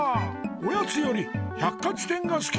おやつより百科じてんがすき。